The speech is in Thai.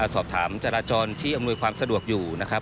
สอบถามจราจรที่อำนวยความสะดวกอยู่นะครับ